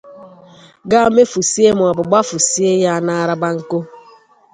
ga mefusie maọbụ gbafusie ya n'arabanko.